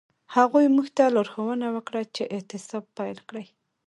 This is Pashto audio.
هغوی موږ ته لارښوونه وکړه چې اعتصاب پیل کړئ.